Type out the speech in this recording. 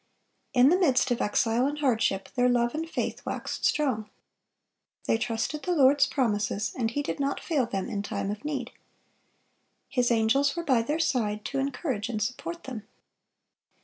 (433) In the midst of exile and hardship, their love and faith waxed strong. They trusted the Lord's promises, and He did not fail them in time of need. His angels were by their side, to encourage and support them.